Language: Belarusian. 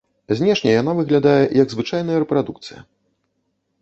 Знешне яна выглядае, як звычайная рэпрадукцыя.